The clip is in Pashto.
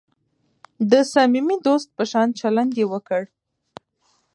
د صمیمي دوست په شان چلند یې وکړ.